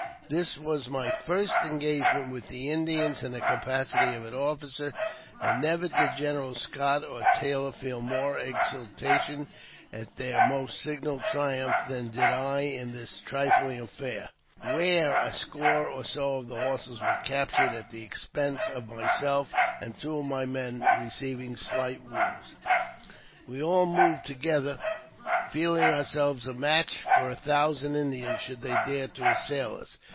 This was my first engagement with Indians in the capacity of officer ; and never .did Generals Scott or Taylor feel more exultation at their most signal triumph than did I in this trifling affair, where a •score or so of horses were captured at the expense of myself and two of my men receiving slight wounds. We all moved on together, feeling ourselves a match for a thousand Indians, should they dare to assail us.